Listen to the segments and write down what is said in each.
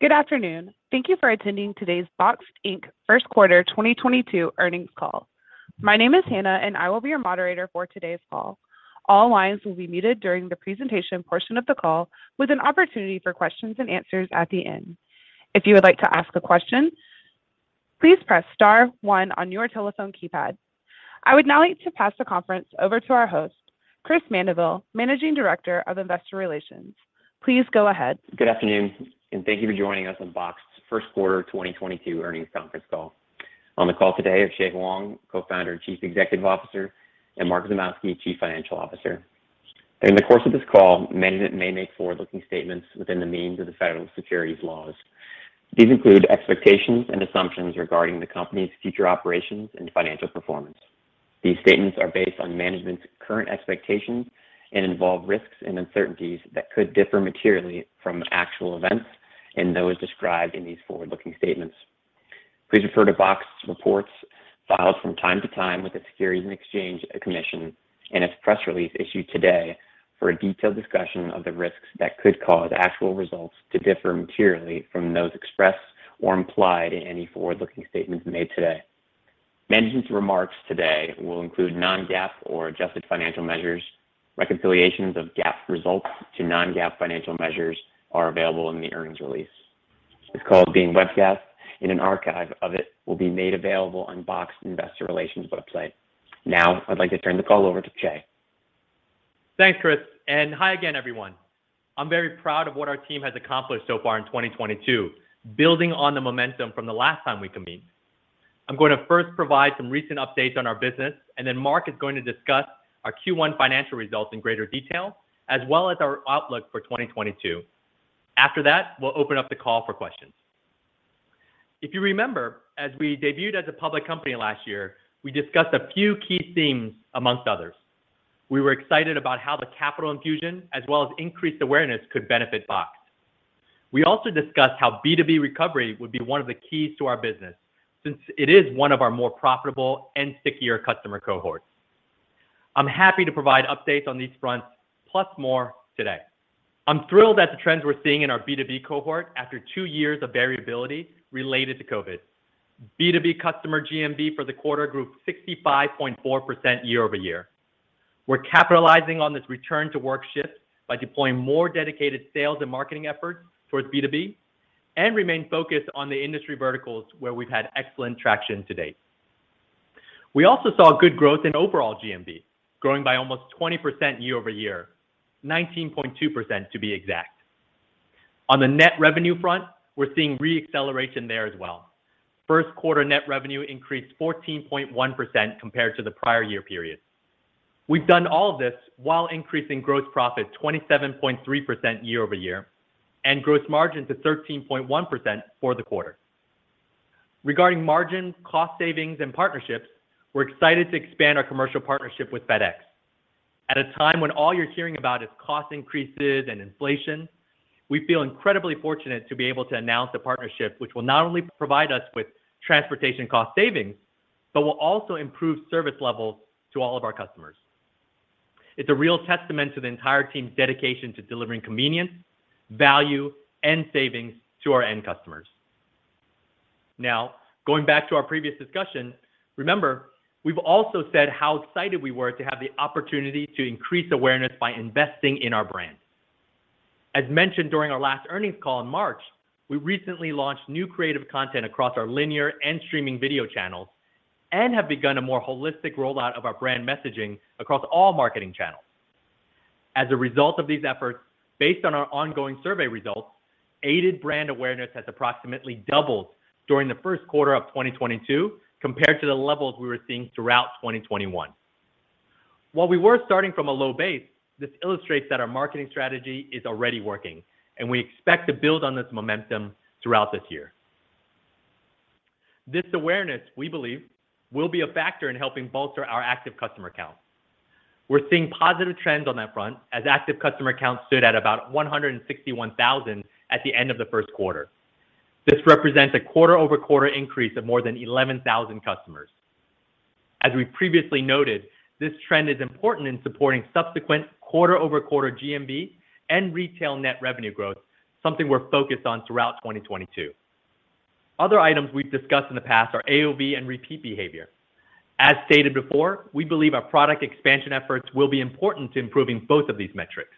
Good afternoon. Thank you for attending today's Boxed, Inc. first quarter 2022 earnings call. My name is Hannah, and I will be your moderator for today's call. All lines will be muted during the presentation portion of the call with an opportunity for questions and answers at the end. If you would like to ask a question, please press star one on your telephone keypad. I would now like to pass the conference over to our host, Chris Mandeville, Managing Director of Investor Relations. Please go ahead. Good afternoon, and thank you for joining us on Boxed first quarter 2022 earnings conference call. On the call today are Chieh Huang, Co-founder and Chief Executive Officer, and Mark Zimowski, Chief Financial Officer. During the course of this call, management may make forward-looking statements within the meaning of the federal securities laws. These include expectations and assumptions regarding the company's future operations and financial performance. These statements are based on management's current expectations and involve risks and uncertainties that could differ materially from actual events and those described in these forward-looking statements. Please refer to Boxed reports filed from time to time with the Securities and Exchange Commission and its press release issued today for a detailed discussion of the risks that could cause actual results to differ materially from those expressed or implied in any forward-looking statements made today. Management's remarks today will include non-GAAP or adjusted financial measures. Reconciliations of GAAP results to non-GAAP financial measures are available in the earnings release. This call is being webcast and an archive of it will be made available on Boxed Investor Relations website. Now, I'd like to turn the call over to Chieh. Thanks, Chris, and hi again, everyone. I'm very proud of what our team has accomplished so far in 2022, building on the momentum from the last time we convened. I'm going to first provide some recent updates on our business, and then Mark is going to discuss our Q1 financial results in greater detail, as well as our outlook for 2022. After that, we'll open up the call for questions. If you remember, as we debuted as a public company last year, we discussed a few key themes among others. We were excited about how the capital infusion as well as increased awareness could benefit Boxed. We also discussed how B2B recovery would be one of the keys to our business since it is one of our more profitable and stickier customer cohorts. I'm happy to provide updates on these fronts plus more today. I'm thrilled at the trends we're seeing in our B2B cohort after two years of variability related to COVID. B2B customer GMV for the quarter grew 65.4% year-over-year. We're capitalizing on this return to work shift by deploying more dedicated sales and marketing efforts towards B2B and remain focused on the industry verticals where we've had excellent traction to date. We also saw good growth in overall GMV, growing by almost 20% year-over-year, 19.2% to be exact. On the net revenue front, we're seeing re-acceleration there as well. First quarter net revenue increased 14.1% compared to the prior year period. We've done all of this while increasing gross profit 27.3% year-over-year, and gross margin to 13.1% for the quarter. Regarding margin, cost savings, and partnerships, we're excited to expand our commercial partnership with FedEx. At a time when all you're hearing about is cost increases and inflation, we feel incredibly fortunate to be able to announce a partnership which will not only provide us with transportation cost savings, but will also improve service levels to all of our customers. It's a real testament to the entire team's dedication to delivering convenience, value, and savings to our end customers. Now, going back to our previous discussion, remember, we've also said how excited we were to have the opportunity to increase awareness by investing in our brand. As mentioned during our last earnings call in March, we recently launched new creative content across our linear and streaming video channels and have begun a more holistic rollout of our brand messaging across all marketing channels. As a result of these efforts, based on our ongoing survey results, aided brand awareness has approximately doubled during the first quarter of 2022 compared to the levels we were seeing throughout 2021. While we were starting from a low base, this illustrates that our marketing strategy is already working, and we expect to build on this momentum throughout this year. This awareness, we believe, will be a factor in helping bolster our active customer accounts. We're seeing positive trends on that front as active customer accounts stood at about 161,000 at the end of the first quarter. This represents a quarter-over-quarter increase of more than 11,000 customers. As we previously noted, this trend is important in supporting subsequent quarter-over-quarter GMV and retail net revenue growth, something we're focused on throughout 2022. Other items we've discussed in the past are AOV and repeat behavior. As stated before, we believe our product expansion efforts will be important to improving both of these metrics.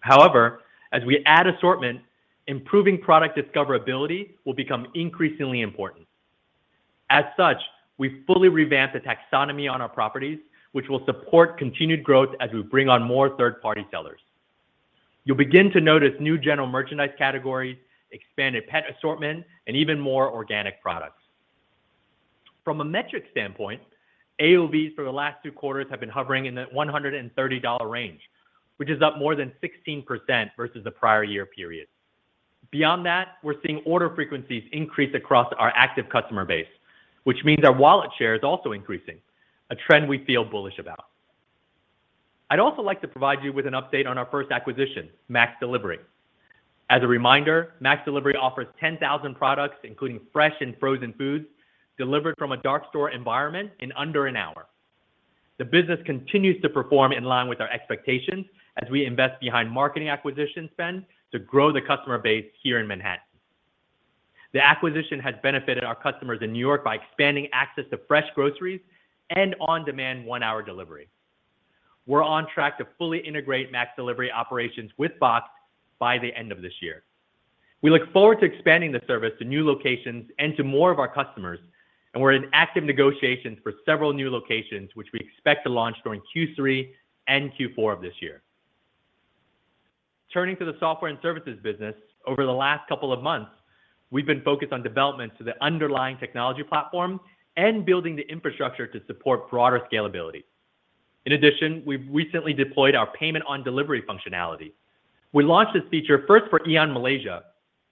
However, as we add assortment, improving product discoverability will become increasingly important. As such, we fully revamped the taxonomy on our properties, which will support continued growth as we bring on more third-party sellers. You'll begin to notice new general merchandise categories, expanded pet assortment, and even more organic products. From a metric standpoint, AOVs for the last two quarters have been hovering in the $130 range, which is up more than 16% versus the prior year period. Beyond that, we're seeing order frequencies increase across our active customer base, which means our wallet share is also increasing, a trend we feel bullish about. I'd also like to provide you with an update on our first acquisition, MaxDelivery. As a reminder, MaxDelivery offers 10,000 products, including fresh and frozen foods, delivered from a dark store environment in under an hour. The business continues to perform in line with our expectations as we invest behind marketing acquisition spend to grow the customer base here in Manhattan. The acquisition has benefited our customers in New York by expanding access to fresh groceries and on-demand one-hour delivery. We're on track to fully integrate MaxDelivery operations with Boxed by the end of this year. We look forward to expanding the service to new locations and to more of our customers, and we're in active negotiations for several new locations, which we expect to launch during Q3 and Q4 of this year. Turning to the software and services business, over the last couple of months, we've been focused on development to the underlying technology platform and building the infrastructure to support broader scalability. In addition, we've recently deployed our payment on delivery functionality. We launched this feature first for AEON Malaysia,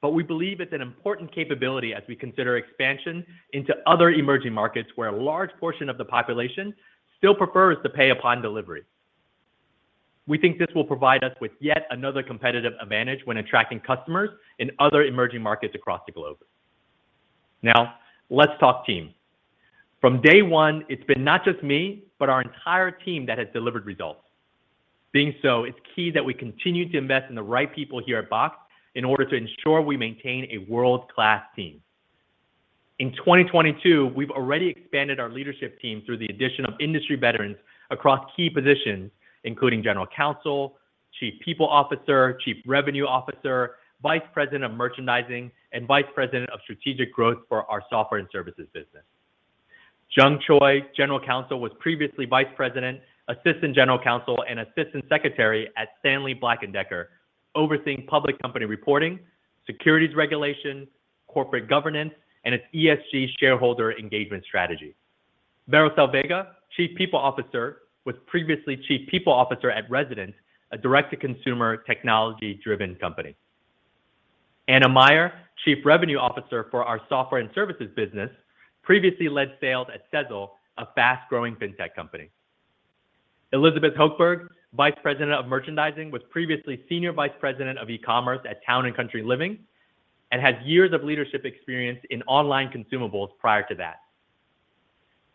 but we believe it's an important capability as we consider expansion into other emerging markets where a large portion of the population still prefers to pay upon delivery. We think this will provide us with yet another competitive advantage when attracting customers in other emerging markets across the globe. Now, let's talk team. From day one, it's been not just me, but our entire team that has delivered results. Being so, it's key that we continue to invest in the right people here at Boxed in order to ensure we maintain a world-class team. In 2022, we've already expanded our leadership team through the addition of industry veterans across key positions, including general counsel, chief people officer, chief revenue officer, vice president of merchandising, and vice president of strategic growth for our software and services business. Jung Choi, General Counsel, was previously vice president, assistant general counsel, and assistant secretary at Stanley Black & Decker, overseeing public company reporting, securities regulation, corporate governance, and its ESG shareholder engagement strategy. Veracelle Vega, Chief People Officer, was previously chief people officer at Resident, a direct-to-consumer technology-driven company. Anna Meyer, Chief Revenue Officer for our software and services business, previously led sales at Sezzle, a fast-growing fintech company. Elizabeth Hochberg, Vice President of Merchandising, was previously senior vice president of e-commerce at Town & Country Living and had years of leadership experience in online consumables prior to that.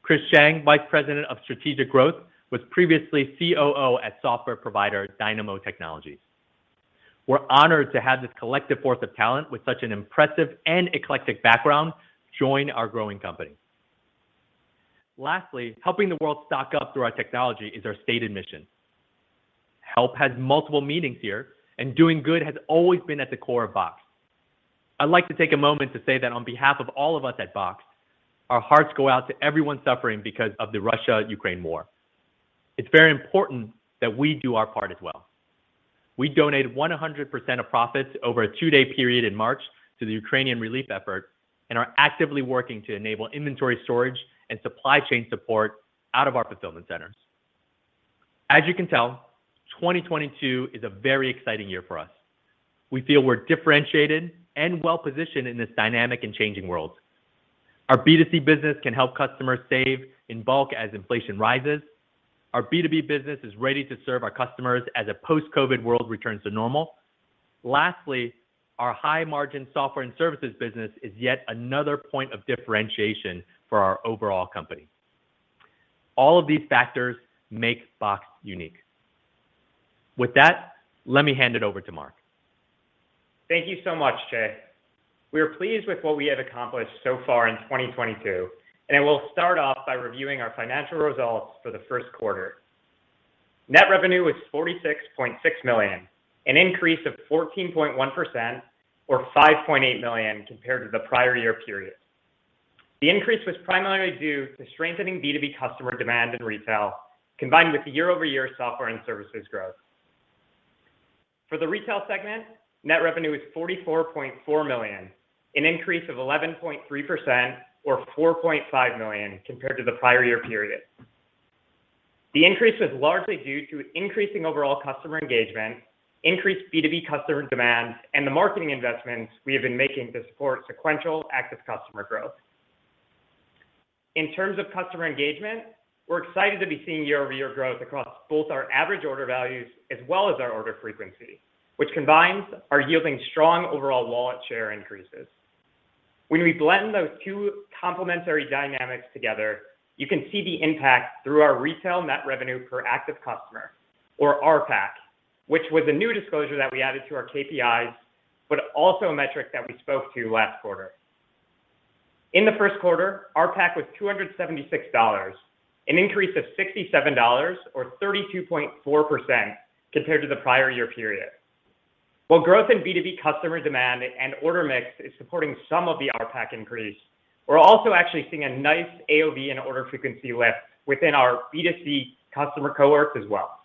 Chris Sheng, Vice President of Strategic Growth, was previously COO at software provider Dynamo Technologies. We're honored to have this collective force of talent with such an impressive and eclectic background join our growing company. Lastly, helping the world stock up through our technology is our stated mission. Help has multiple meanings here, and doing good has always been at the core of Boxed. I'd like to take a moment to say that on behalf of all of us at Boxed, our hearts go out to everyone suffering because of the Russia-Ukraine war. It's very important that we do our part as well. We donated 100% of profits over a two-day period in March to the Ukrainian relief effort and are actively working to enable inventory storage and supply chain support out of our fulfillment centers. As you can tell, 2022 is a very exciting year for us. We feel we're differentiated and well-positioned in this dynamic and changing world. Our B2C business can help customers save in bulk as inflation rises. Our B2B business is ready to serve our customers as a post-COVID world returns to normal. Lastly, our high-margin software and services business is yet another point of differentiation for our overall company. All of these factors make Boxed unique. With that, let me hand it over to Mark. Thank you so much, Chieh. We are pleased with what we have accomplished so far in 2022, and I will start off by reviewing our financial results for the first quarter. Net revenue was $46.6 million, an increase of 14.1% or $5.8 million compared to the prior year period. The increase was primarily due to strengthening B2B customer demand in retail, combined with the year-over-year software and services growth. For the retail segment, net revenue was $44.4 million, an increase of 11.3% or $4.5 million compared to the prior year period. The increase was largely due to increasing overall customer engagement, increased B2B customer demand, and the marketing investments we have been making to support sequential active customer growth. In terms of customer engagement, we're excited to be seeing year-over-year growth across both our average order values as well as our order frequency, which combine to yield strong overall wallet share increases. When we blend those two complementary dynamics together, you can see the impact through our retail net revenue per active customer or RPAC, which was a new disclosure that we added to our KPIs, but also a metric that we spoke to last quarter. In the first quarter, RPAC was $276, an increase of $67 or 32.4% compared to the prior year period. While growth in B2B customer demand and order mix is supporting some of the RPAC increase, we're also actually seeing a nice AOV and order frequency lift within our B2C customer cohorts as well.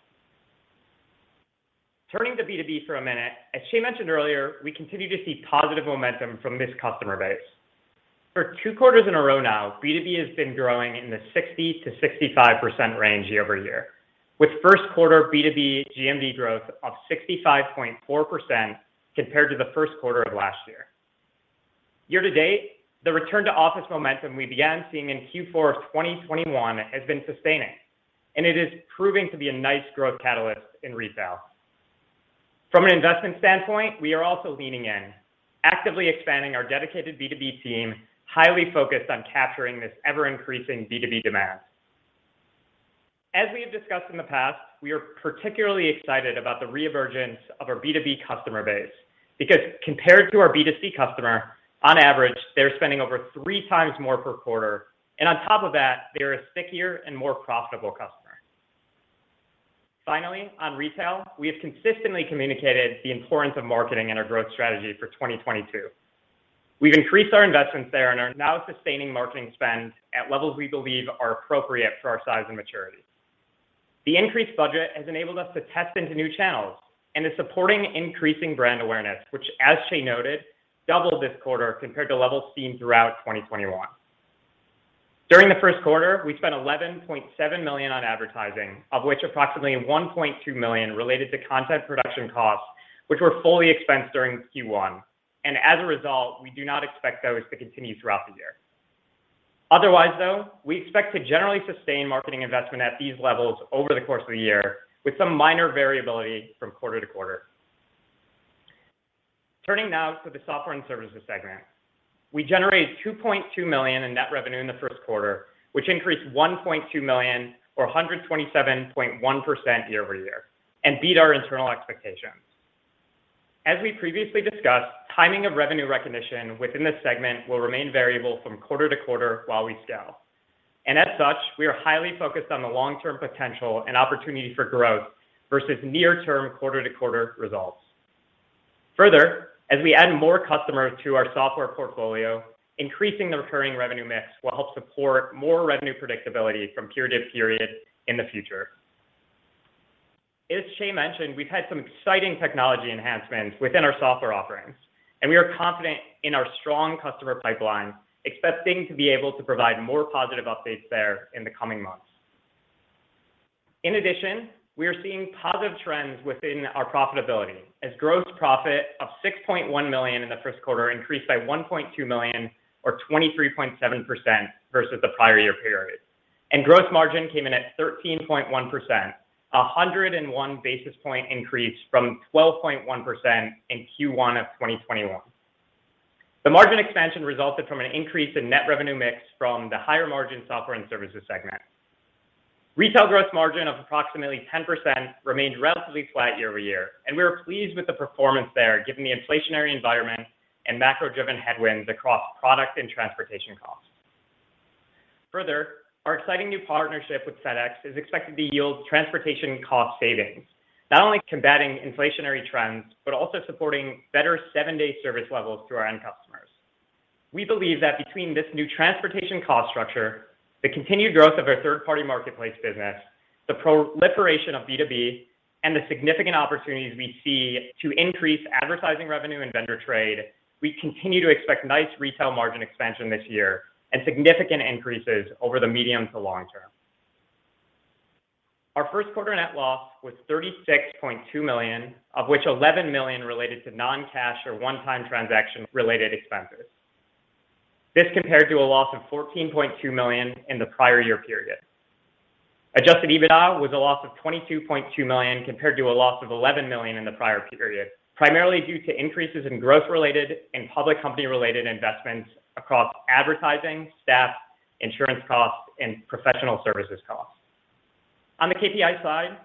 Turning to B2B for a minute, as Chieh mentioned earlier, we continue to see positive momentum from this customer base. For two quarters in a row now, B2B has been growing in the 60%-65% range year-over-year, with first quarter B2B GMV growth of 65.4% compared to the first quarter of last year. Year to date, the return to office momentum we began seeing in Q4 of 2021 has been sustaining, and it is proving to be a nice growth catalyst in retail. From an investment standpoint, we are also leaning in, actively expanding our dedicated B2B team, highly focused on capturing this ever-increasing B2B demand. As we have discussed in the past, we are particularly excited about the reemergence of our B2B customer base because compared to our B2C customer, on average, they're spending over three times more per quarter, and on top of that, they're a stickier and more profitable customer. Finally, on retail, we have consistently communicated the importance of marketing in our growth strategy for 2022. We've increased our investments there and are now sustaining marketing spend at levels we believe are appropriate for our size and maturity. The increased budget has enabled us to test into new channels and is supporting increasing brand awareness, which as Chieh noted, doubled this quarter compared to levels seen throughout 2021. During the first quarter, we spent $11.7 million on advertising, of which approximately $1.2 million related to content production costs, which were fully expensed during Q1. As a result, we do not expect those to continue throughout the year. Otherwise, though, we expect to generally sustain marketing investment at these levels over the course of the year with some minor variability from quarter to quarter. Turning now to the software and services segment. We generated $2.2 million in net revenue in the first quarter, which increased $1.2 million or 127.1% year-over-year and beat our internal expectations. As we previously discussed, timing of revenue recognition within this segment will remain variable from quarter to quarter while we scale. As such, we are highly focused on the long-term potential and opportunity for growth versus near term quarter to quarter results. Further, as we add more customers to our software portfolio, increasing the recurring revenue mix will help support more revenue predictability from period to period in the future. As Chieh mentioned, we've had some exciting technology enhancements within our software offerings, and we are confident in our strong customer pipeline, expecting to be able to provide more positive updates there in the coming months. In addition, we are seeing positive trends within our profitability as gross profit of $6.1 million in the first quarter increased by $1.2 million or 23.7% versus the prior year period. Gross margin came in at 13.1%, 101 basis point increase from 12.1% in Q1 of 2021. The margin expansion resulted from an increase in net revenue mix from the higher margin software and services segment. Retail gross margin of approximately 10% remained relatively flat year-over-year, and we are pleased with the performance there given the inflationary environment and macro-driven headwinds across product and transportation costs. Further, our exciting new partnership with FedEx is expected to yield transportation cost savings, not only combating inflationary trends, but also supporting better seven-day service levels to our end customers. We believe that between this new transportation cost structure, the continued growth of our third-party marketplace business, the proliferation of B2B, and the significant opportunities we see to increase advertising revenue and vendor trade, we continue to expect nice retail margin expansion this year and significant increases over the medium to long term. Our first quarter net loss was $36.2 million, of which $11 million related to non-cash or one-time transaction-related expenses. This compared to a loss of $14.2 million in the prior year period. Adjusted EBITDA was a loss of $22.2 million compared to a loss of $11 million in the prior period, primarily due to increases in growth-related and public company-related investments across advertising, staff, insurance costs, and professional services costs. On the KPI side,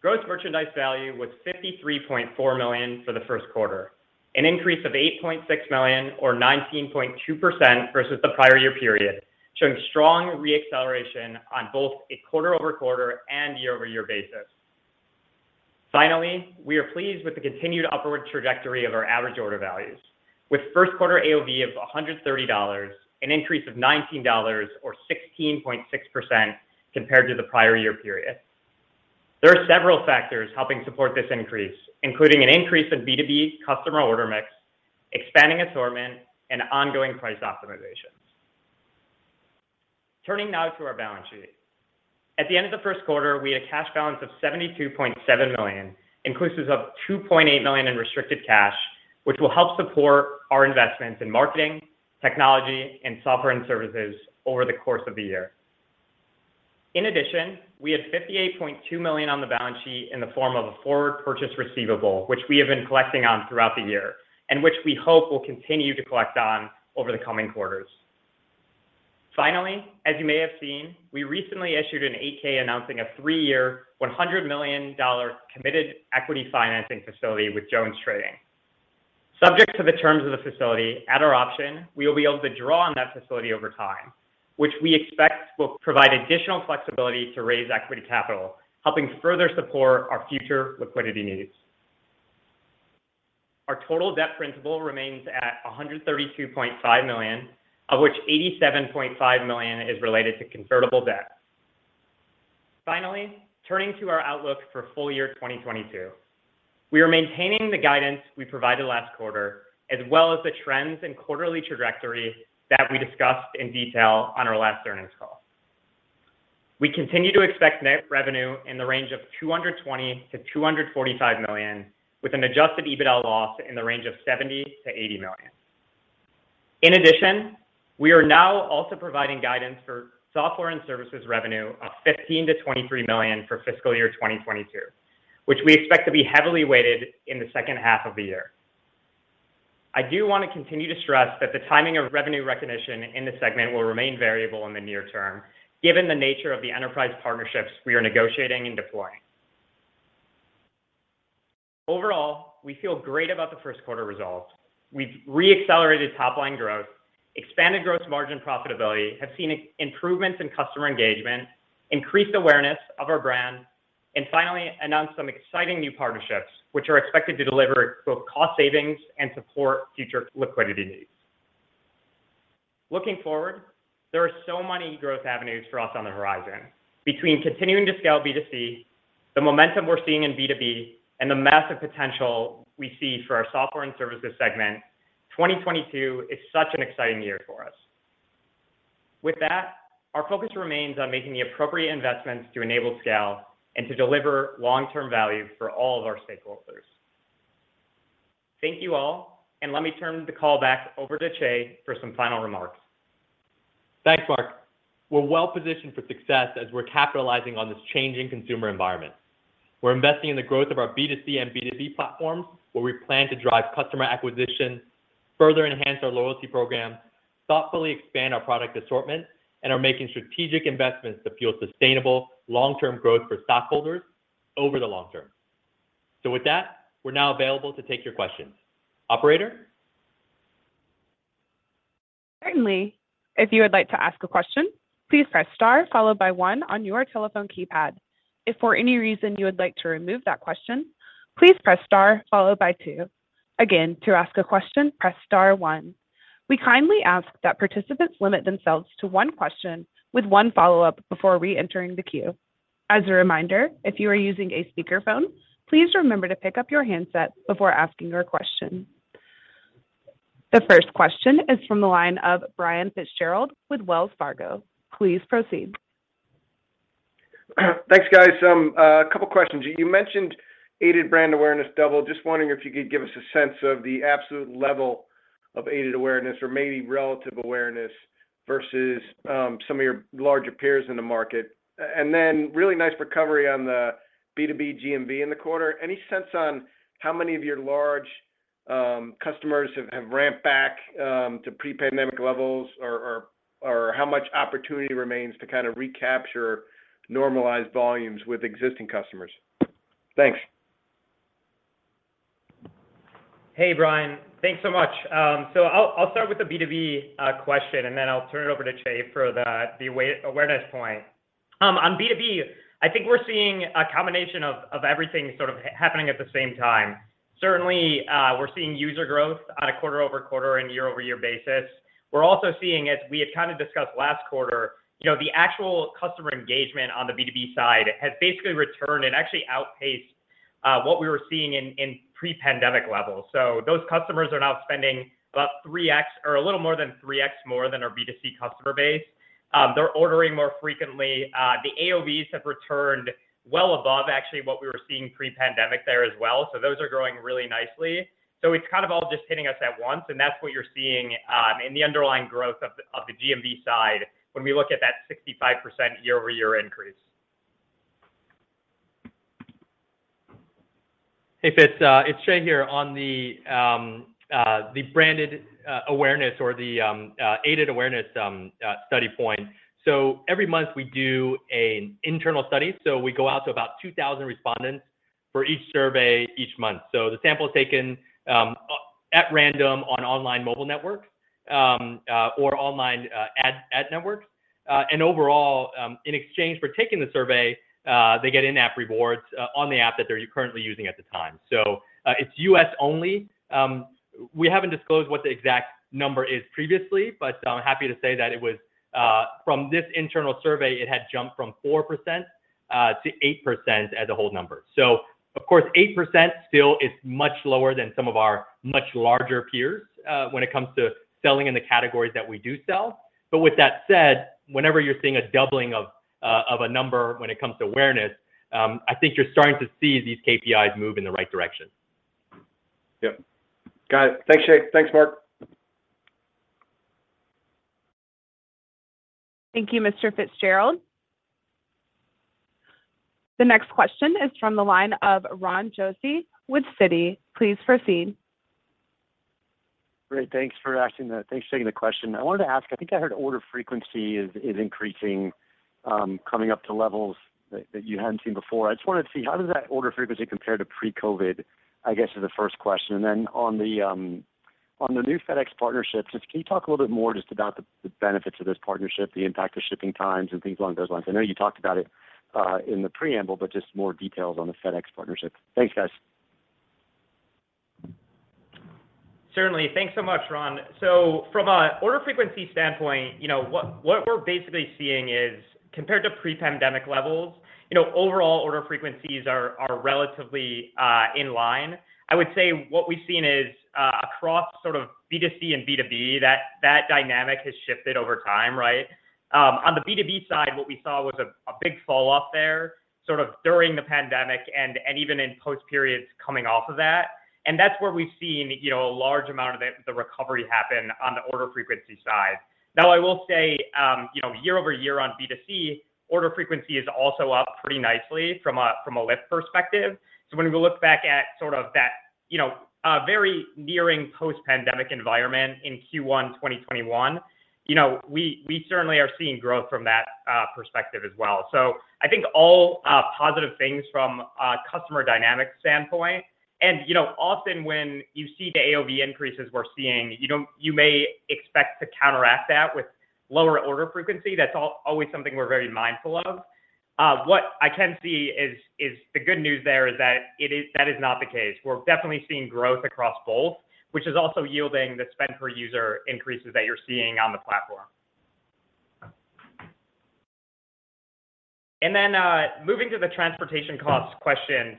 gross merchandise value was $53.4 million for the first quarter, an increase of $8.6 million or 19.2% versus the prior year period, showing strong reacceleration on both a quarter-over-quarter and year-over-year basis. Finally, we are pleased with the continued upward trajectory of our average order values with first quarter AOV of $130, an increase of $19 or 16.6% compared to the prior year period. There are several factors helping support this increase, including an increase in B2B customer order mix, expanding assortment, and ongoing price optimizations. Turning now to our balance sheet. At the end of the first quarter, we had a cash balance of $72.7 million, inclusive of $2.8 million in restricted cash, which will help support our investments in marketing, technology, and software and services over the course of the year. In addition, we had $58.2 million on the balance sheet in the form of a forward purchase receivable, which we have been collecting on throughout the year, and which we hope will continue to collect on over the coming quarters. Finally, as you may have seen, we recently issued an 8-K announcing a three-year, $100 million committed equity financing facility with JonesTrading. Subject to the terms of the facility at our option, we will be able to draw on that facility over time, which we expect will provide additional flexibility to raise equity capital, helping further support our future liquidity needs. Our total debt principal remains at $132.5 million, of which $87.5 million is related to convertible debt. Finally, turning to our outlook for full year 2022. We are maintaining the guidance we provided last quarter, as well as the trends and quarterly trajectory that we discussed in detail on our last earnings call. We continue to expect net revenue in the range of $220 million-$245 million, with an adjusted EBITDA loss in the range of $70 million-$80 million. In addition, we are now also providing guidance for software and services revenue of $15 million-$23 million for fiscal year 2022, which we expect to be heavily weighted in the second half of the year. I do want to continue to stress that the timing of revenue recognition in this segment will remain variable in the near term, given the nature of the enterprise partnerships we are negotiating and deploying. Overall, we feel great about the first quarter results. We've re-accelerated top-line growth, expanded gross margin profitability, have seen improvements in customer engagement, increased awareness of our brand, and finally, announced some exciting new partnerships which are expected to deliver both cost savings and support future liquidity needs. Looking forward, there are so many growth avenues for us on the horizon. Between continuing to scale B2C, the momentum we're seeing in B2B, and the massive potential we see for our software and services segment, 2022 is such an exciting year for us. With that, our focus remains on making the appropriate investments to enable scale and to deliver long-term value for all of our stakeholders. Thank you all, and let me turn the call back over to Chieh for some final remarks. Thanks, Mark. We're well positioned for success as we're capitalizing on this changing consumer environment. We're investing in the growth of our B2C and B2B platforms, where we plan to drive customer acquisition, further enhance our loyalty program, thoughtfully expand our product assortment, and are making strategic investments to fuel sustainable long-term growth for stockholders over the long term. With that, we're now available to take your questions. Operator? Certainly. If you would like to ask a question, please press star followed by one on your telephone keypad. If for any reason you would like to remove that question, please press star followed by two. Again, to ask a question, press star one. We kindly ask that participants limit themselves to one question with one follow-up before reentering the queue. As a reminder, if you are using a speakerphone, please remember to pick up your handset before asking your question. The first question is from the line of Brian Fitzgerald with Wells Fargo. Please proceed. Thanks, guys. A couple questions. You mentioned aided brand awareness doubled. Just wondering if you could give us a sense of the absolute level of aided awareness or maybe relative awareness versus some of your larger peers in the market. Really nice recovery on the B2B GMV in the quarter. Any sense on how many of your large customers have ramped back to pre-pandemic levels or how much opportunity remains to kind of recapture normalized volumes with existing customers? Thanks. Hey, Brian, thanks so much. I'll start with the B2B question, and then I'll turn it over to Chieh Huang for the AOV awareness point. On B2B, I think we're seeing a combination of everything sort of happening at the same time. Certainly, we're seeing user growth on a quarter-over-quarter and year-over-year basis. We're also seeing, as we had kind of discussed last quarter, you know, the actual customer engagement on the B2B side has basically returned and actually outpaced what we were seeing in pre-pandemic levels. Those customers are now spending about 3x or a little more than 3x more than our B2C customer base. They're ordering more frequently. The AOV have returned well above actually what we were seeing pre-pandemic there as well. Those are growing really nicely. It's kind of all just hitting us at once, and that's what you're seeing in the underlying growth of the GMV side when we look at that 65% year-over-year increase. Hey, Fitz. It's Chieh here. On the branded awareness or the aided awareness study point. Every month we do an internal study. We go out to about 2,000 respondents for each survey each month. The sample is taken at random on online mobile networks or online ad networks. Overall, in exchange for taking the survey, they get in-app rewards on the app that they're currently using at the time. It's U.S. only. We haven't disclosed what the exact number is previously, but I'm happy to say that it was from this internal survey. It had jumped from 4% to 8% as a whole number. Of course, 8% still is much lower than some of our much larger peers, when it comes to selling in the categories that we do sell. With that said, whenever you're seeing a doubling of a number when it comes to awareness, I think you're starting to see these KPIs move in the right direction. Yep. Got it. Thanks, Chieh. Thanks, Mark. Thank you, Mr. Fitzgerald. The next question is from the line of Ron Josey with Citi. Please proceed. Great. Thanks for taking the question. I wanted to ask, I think I heard order frequency is increasing, coming up to levels that you hadn't seen before. I just wanted to see how does that order frequency compare to pre-COVID, I guess, is the first question. Then on the new FedEx partnerships, just can you talk a little bit more just about the benefits of this partnership, the impact of shipping times and things along those lines? I know you talked about it in the preamble, but just more details on the FedEx partnership. Thanks, guys. Certainly. Thanks so much, Ron. From an order frequency standpoint, you know, what we're basically seeing is, compared to pre-pandemic levels, you know, overall order frequencies are relatively in line. I would say what we've seen is, across sort of B2C and B2B, that dynamic has shifted over time, right? On the B2B side, what we saw was a big fall off there sort of during the pandemic and even in post periods coming off of that. That's where we've seen, you know, a large amount of the recovery happen on the order frequency side. Now, I will say, you know, year-over-year on B2C, order frequency is also up pretty nicely from a lift perspective. When we look back at sort of that, you know, in a very near post-pandemic environment in Q1 2021, you know, we certainly are seeing growth from that perspective as well. I think all positive things from a customer dynamic standpoint. You know, often when you see the AOV increases we're seeing, you may expect to counteract that with lower order frequency. That's always something we're very mindful of. What I can see is the good news there is that it is not the case. We're definitely seeing growth across both, which is also yielding the spend per user increases that you're seeing on the platform. Moving to the transportation cost question.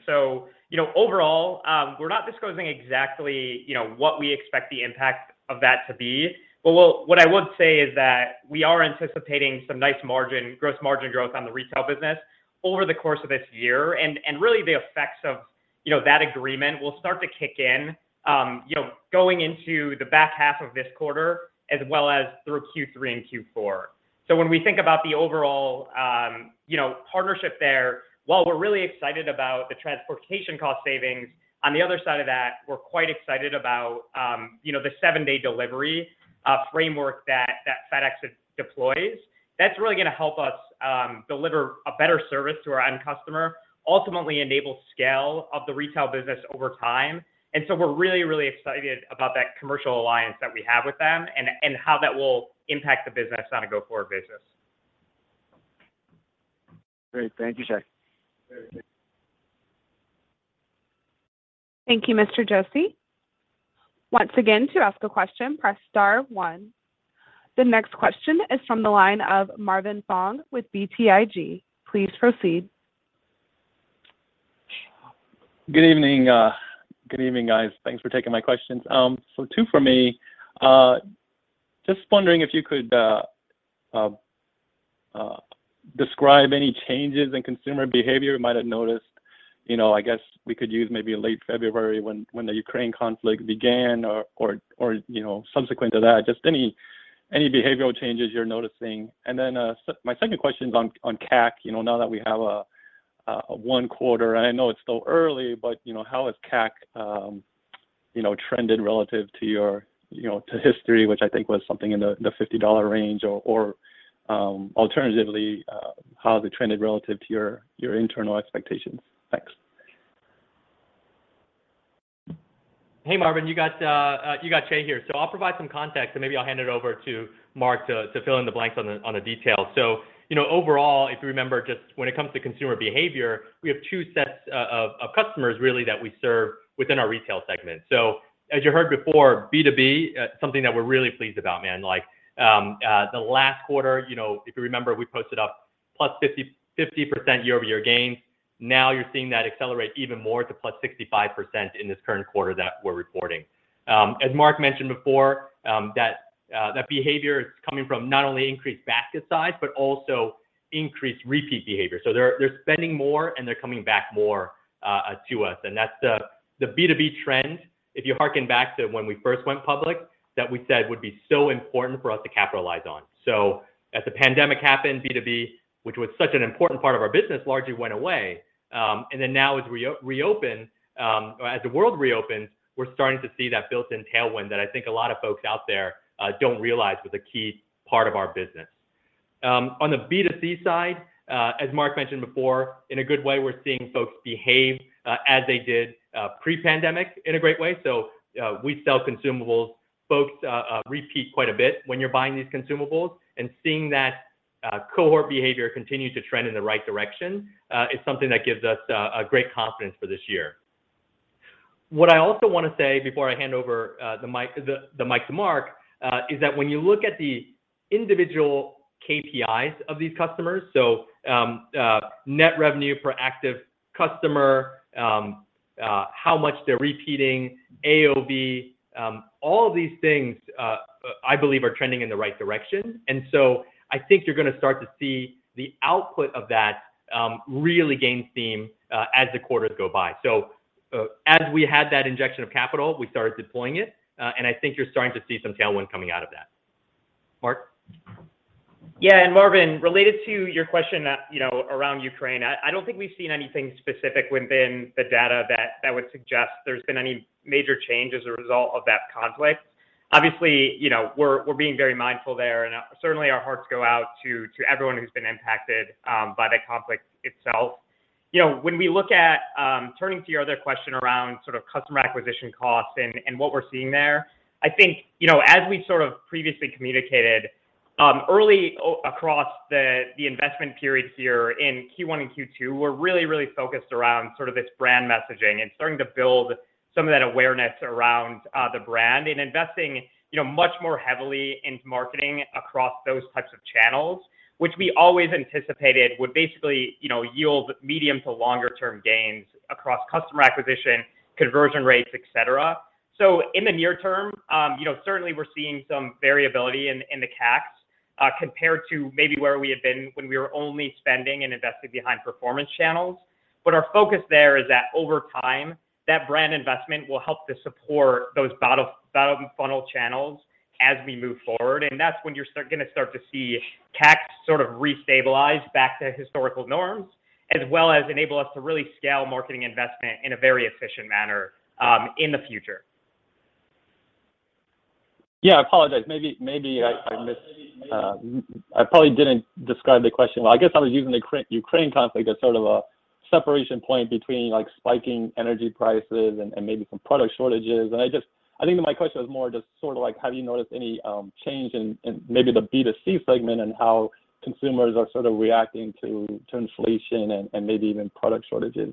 You know, overall, we're not disclosing exactly, you know, what we expect the impact of that to be. What I would say is that we are anticipating some nice margin, gross margin growth on the retail business over the course of this year. Really the effects of, you know, that agreement will start to kick in, you know, going into the back half of this quarter as well as through Q3 and Q4. When we think about the overall, you know, partnership there, while we're really excited about the transportation cost savings, on the other side of that, we're quite excited about, you know, the seven-day delivery framework that FedEx deploys. That's really gonna help us deliver a better service to our end customer, ultimately enable scale of the retail business over time. We're really, really excited about that commercial alliance that we have with them and how that will impact the business on a go-forward basis. Great. Thank you, Chieh. Thank you, Mr. Jose. Once again, to ask a question, press star one. The next question is from the line of Marvin Fong with BTIG. Please proceed. Good evening. Good evening, guys. Thanks for taking my questions. So two for me. Just wondering if you could describe any changes in consumer behavior you might have noticed. You know, I guess we could use maybe in late February when the Ukraine conflict began or you know, subsequent to that. Just any behavioral changes you're noticing. My second question is on CAC. You know, now that we have a 1 quarter, and I know it's still early. You know, how has CAC trended relative to your you know, to history, which I think was something in the $50 range, or alternatively how they trended relative to your internal expectations? Thanks. Hey, Marvin. You got Chieh here. I'll provide some context, and maybe I'll hand it over to Mark to fill in the blanks on the details. You know, overall, if you remember, just when it comes to consumer behavior, we have two sets of customers really that we serve within our retail segment. As you heard before, B2B something that we're really pleased about, man. Like, the last quarter, you know, if you remember, we posted up +50% year-over-year gains. Now you're seeing that accelerate even more to +65% in this current quarter that we're reporting. As Mark mentioned before, that behavior is coming from not only increased basket size, but also increased repeat behavior. They're spending more, and they're coming back more, to us. That's the B2B trend, if you harken back to when we first went public, that we said would be so important for us to capitalize on. As the pandemic happened, B2B, which was such an important part of our business, largely went away. Then now as we reopen, or as the world reopens, we're starting to see that built-in tailwind that I think a lot of folks out there, don't realize was a key part of our business. On the B2C side, as Mark mentioned before, in a good way, we're seeing folks behave, as they did, pre-pandemic in a great way. We sell consumables. Folks repeat quite a bit when you're buying these consumables. Seeing that cohort behavior continue to trend in the right direction is something that gives us a great confidence for this year. What I also wanna say before I hand over the mic to Mark is that when you look at the individual KPIs of these customers, so net revenue per active customer, how much they're repeating, AOV, all of these things I believe are trending in the right direction. I think you're gonna start to see the output of that really gain steam as the quarters go by. As we had that injection of capital, we started deploying it. And I think you're starting to see some tailwind coming out of that. Mark? Yeah. Marvin, related to your question, you know, around Ukraine, I don't think we've seen anything specific within the data that would suggest there's been any major change as a result of that conflict. Obviously, you know, we're being very mindful there. Certainly our hearts go out to everyone who's been impacted by the conflict itself. You know, when we look at turning to your other question around sort of customer acquisition costs and what we're seeing there, I think, you know, as we sort of previously communicated, early across the investment period here in Q1 and Q2, we're really focused around sort of this brand messaging and starting to build some of that awareness around the brand and investing, you know, much more heavily into marketing across those types of channels, which we always anticipated would basically, you know, yield medium to longer term gains across customer acquisition, conversion rates, et cetera. In the near term, you know, certainly we're seeing some variability in the CAC compared to maybe where we had been when we were only spending and investing behind performance channels. Our focus there is that over time, that brand investment will help to support those bottom-funnel channels as we move forward. That's when you're gonna start to see CAC sort of restabilize back to historical norms, as well as enable us to really scale marketing investment in a very efficient manner in the future. Yeah, I apologize. Maybe I missed. I probably didn't describe the question well. I guess I was using the Ukraine conflict as sort of a separation point between, like, spiking energy prices and maybe some product shortages. I think that my question was more just sort of like have you noticed any change in maybe the B2C segment and how consumers are sort of reacting to inflation and maybe even product shortages?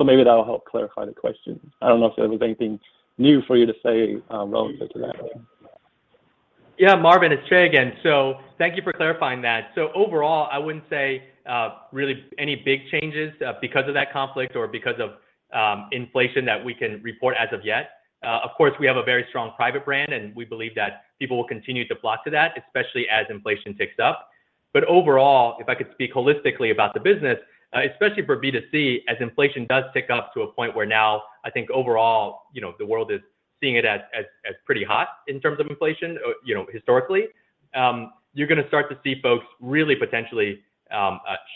Maybe that'll help clarify the question. I don't know if there was anything new for you to say relative to that. Yeah, Marvin, it's Chieh again. Thank you for clarifying that. Overall, I wouldn't say really any big changes because of that conflict or because of inflation that we can report as of yet. Of course, we have a very strong private brand, and we believe that people will continue to flock to that, especially as inflation ticks up. Overall, if I could speak holistically about the business, especially for B2C, as inflation does tick up to a point where now I think overall, you know, the world is seeing it as pretty hot in terms of inflation, you know, historically, you're gonna start to see folks really potentially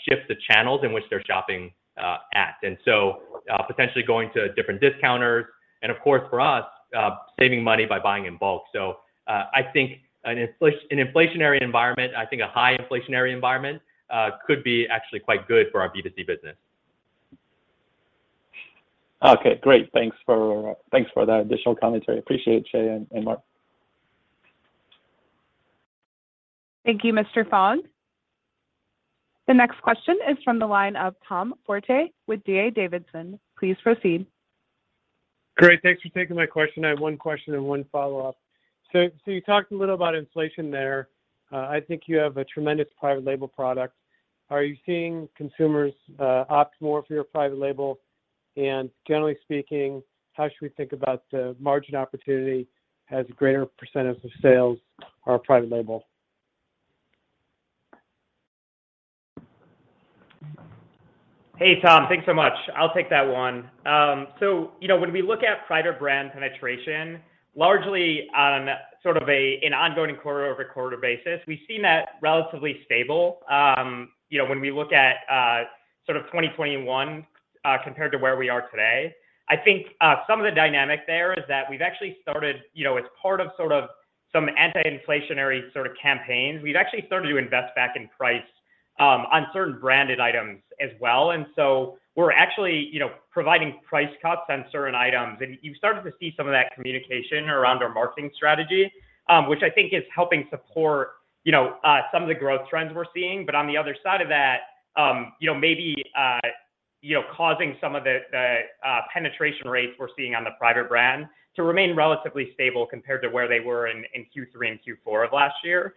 shift the channels in which they're shopping at. Potentially going to different discounters and of course, for us, saving money by buying in bulk. I think a high inflationary environment could be actually quite good for our B2C business. Okay, great. Thanks for that additional commentary. Appreciate it, Chieh and Mark. Thank you, Mr. Fong. The next question is from the line of Tom Forte with D.A. Davidson. Please proceed. Great. Thanks for taking my question. I have one question and one follow-up. So you talked a little about inflation there. I think you have a tremendous private label product. Are you seeing consumers opt more for your private label? And generally speaking, how should we think about the margin opportunity as a greater percentage of sales are private label? Hey, Tom. Thanks so much. I'll take that one. You know, when we look at private brand penetration, largely on sort of an ongoing quarter-over-quarter basis, we've seen that relatively stable. You know, when we look at sort of 2021 compared to where we are today, I think some of the dynamic there is that we've actually started, you know, as part of sort of some anti-inflationary sort of campaigns, we've actually started to invest back in price on certain branded items as well. We're actually, you know, providing price cuts on certain items. You've started to see some of that communication around our marketing strategy, which I think is helping support, you know, some of the growth trends we're seeing. On the other side of that, you know, maybe, you know, causing some of the, penetration rates we're seeing on the private brand to remain relatively stable compared to where they were in Q3 and Q4 of last year.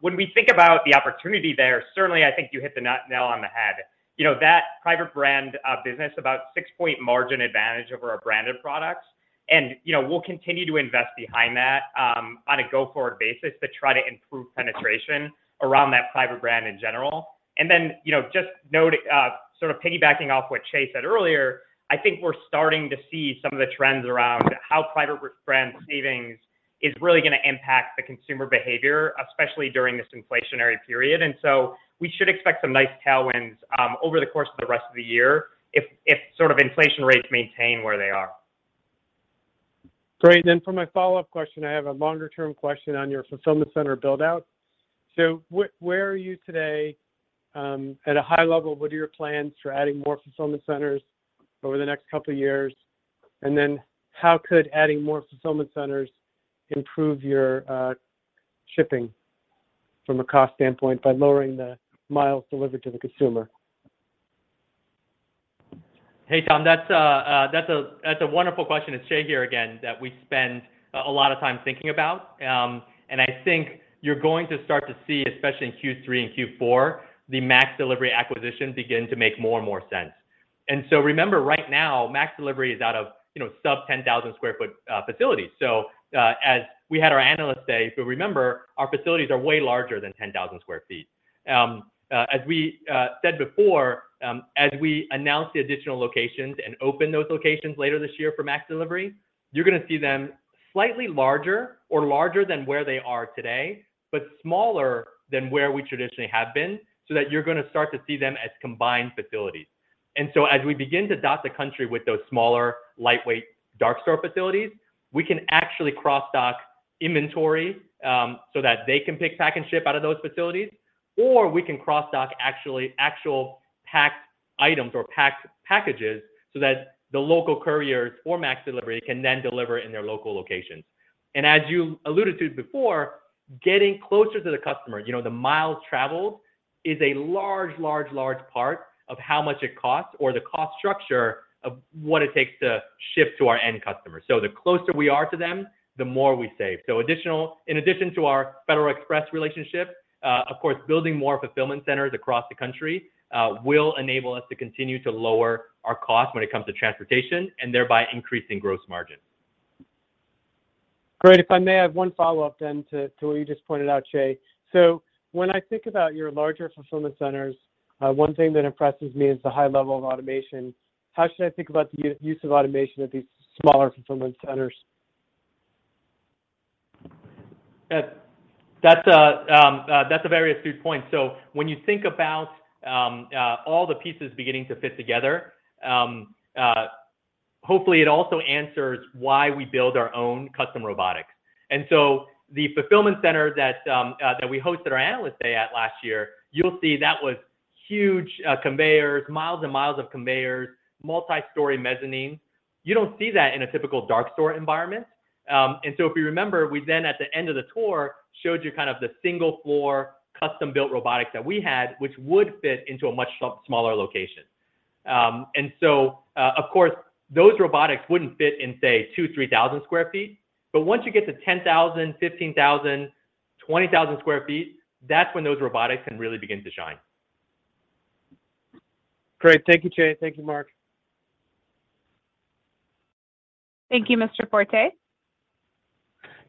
When we think about the opportunity there, certainly I think you hit the nail on the head. You know, that private brand business, about 6-point margin advantage over our branded products. You know, we'll continue to invest behind that, on a go-forward basis to try to improve penetration around that private brand in general. You know, just note, sort of piggybacking off what Chieh said earlier, I think we're starting to see some of the trends around how private brand savings is really gonna impact the consumer behavior, especially during this inflationary period. We should expect some nice tailwinds over the course of the rest of the year if sort of inflation rates maintain where they are. Great. For my follow-up question, I have a longer-term question on your fulfillment center build-out. Where are you today, at a high level? What are your plans for adding more fulfillment centers over the next couple years? How could adding more fulfillment centers improve your shipping from a cost standpoint by lowering the miles delivered to the consumer? Hey, Tom, that's a wonderful question. It's Chieh here again. That we spend a lot of time thinking about. I think you're going to start to see, especially in Q3 and Q4, the MaxDelivery acquisition begin to make more and more sense. Remember, right now, MaxDelivery is out of, you know, sub-10,000 sq ft facilities. As we had our analysts say, but remember, our facilities are way larger than 10,000 square feet. As we said before, as we announce the additional locations and open those locations later this year for MaxDelivery, you're gonna see them slightly larger or larger than where they are today, but smaller than where we traditionally have been, so that you're gonna start to see them as combined facilities. As we begin to dot the country with those smaller, lightweight dark store facilities, we can actually cross-dock inventory, so that they can pick, pack, and ship out of those facilities, or we can cross-dock actually actual packed items or packed packages so that the local couriers or MaxDelivery can then deliver in their local locations. As you alluded to before, getting closer to the customer, you know, the miles traveled is a large part of how much it costs or the cost structure of what it takes to ship to our end customer. The closer we are to them, the more we save. In addition to our FedEx relationship, of course, building more fulfillment centers across the country will enable us to continue to lower our cost when it comes to transportation and thereby increasing gross margin. Great. If I may, I have one follow-up then to what you just pointed out, Chieh. When I think about your larger fulfillment centers, one thing that impresses me is the high level of automation. How should I think about the use of automation at these smaller fulfillment centers? That's a very astute point. When you think about all the pieces beginning to fit together, hopefully it also answers why we build our own custom robotics. The fulfillment center that we hosted our Analyst Day at last year, you'll see that was huge, conveyors, miles and miles of conveyors, multi-story mezzanine. You don't see that in a typical dark store environment. Of course, those robotics wouldn't fit in, say, 2,000, 3,000 sq ft. Once you get to 10,000, 15,000, 20,000 sq ft, that's when those robotics can really begin to shine. Great. Thank you, Chieh. Thank you, Mark. Thank you, Mr. Forte.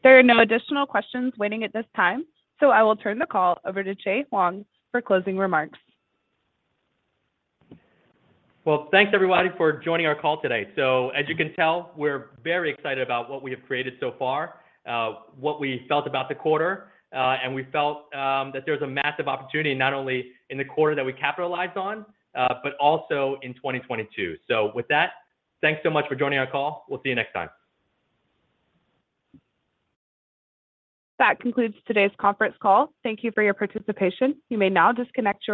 There are no additional questions waiting at this time, so I will turn the call over to Chieh Huang for closing remarks. Well, thanks everybody for joining our call today. As you can tell, we're very excited about what we have created so far, what we felt about the quarter, and that there's a massive opportunity, not only in the quarter that we capitalized on, but also in 2022. With that, thanks so much for joining our call. We'll see you next time. That concludes today's conference call. Thank you for your participation. You may now disconnect your line.